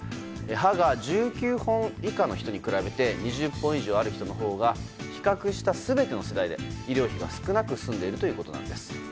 歯が１９本以下の人に比べて２０本以上ある人のほうが比較した全ての世代で医療費が少なく済んでいるということなんです。